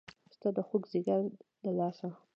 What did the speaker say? ستا د خوږ ځیګر د لاسه